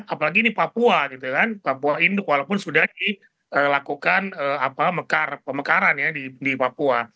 apalagi ini papua papua induk walaupun sudah dilakukan pemekaran di papua